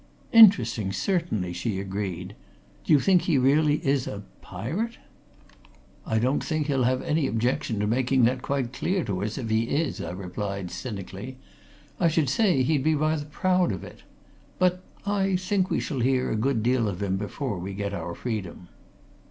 "Interesting, certainly," she agreed. "Do you think he really is a pirate?" "I don't think he'll have any objection to making that quite clear to us if he is," I replied, cynically. "I should say he'd be rather proud of it. But I think we shall hear a good deal of him before we get our freedom."